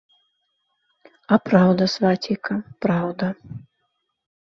А праўда, свацейка, праўда.